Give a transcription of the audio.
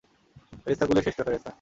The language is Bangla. ফেরেশতাকুলের শ্রেষ্ঠ ফেরেশতা।